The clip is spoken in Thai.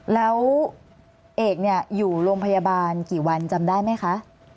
แล้วเอกอยู่โรงพยาบาลกี่วันจำได้ไหมคะ